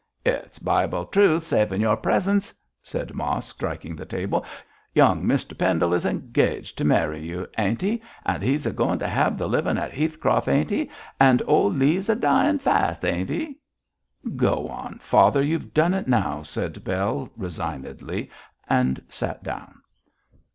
'It's Bible truth, savin' your presence,' said Mosk, striking the table. 'Young Mr Pendle is engaged to marry you, ain't he? and he's goin' to hev the livin' of Heathcroft, ain't he? and old Leigh's a dyin' fast, ain't he?' 'Go on, father, you've done it now,' said Bell, resignedly, and sat down.